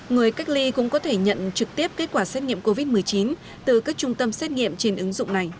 người cách ly cũng có thể nhận trực tiếp kết quả xét nghiệm covid một mươi chín từ các trung tâm xét nghiệm trên ứng dụng này